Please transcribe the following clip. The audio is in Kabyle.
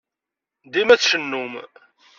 Dima tcennum.